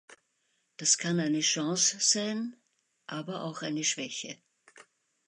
Das kann eine Chance sein, aber auch eine Schwäche.